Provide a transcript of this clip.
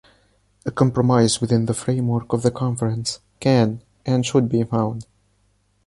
A compromise within the framework of the Conference can and should be found.